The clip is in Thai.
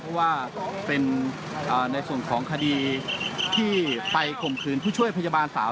เพราะว่าเป็นในส่วนของคดีที่ไปข่มขืนผู้ช่วยพยาบาลสาว